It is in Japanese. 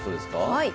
はい。